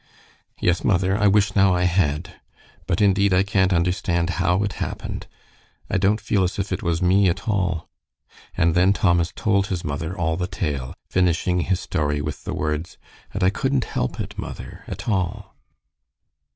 "Yes, mother, I wish now I had. But, indeed, I can't understand how it happened. I don't feel as if it was me at all." And then Thomas told his mother all the tale, finishing his story with the words, "And I couldn't help it, mother, at all."